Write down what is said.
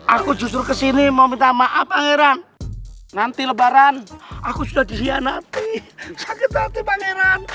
aku justru kesini mau minta maaf pangeran nanti lebaran aku sudah dikhianati sakit hati pangeran